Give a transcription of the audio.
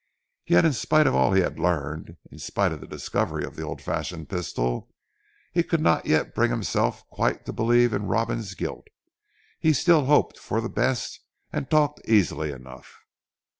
Yet in spite of all he had learned, in spite of the discovery of the old fashioned pistol, he could not yet bring himself quite to believe in Robin's guilt. He still hoped for the best, and talked easily enough.